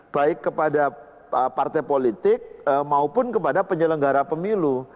baik kepada partai politik maupun kepada penyelenggara pemilu